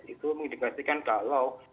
itu mengindigasikan kalau